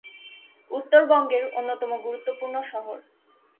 উত্তরবঙ্গের অন্যতম গুরুত্বপূর্ণ শহর।